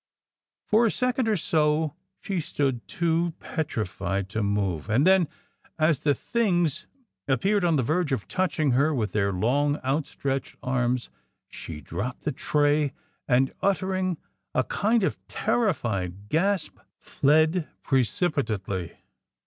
For a second or so she stood too petrified to move and then as the THINGS appeared on the verge of touching her with their long, outstretched arms, she dropped the tray and, uttering a kind of terrified gasp, fled precipitately.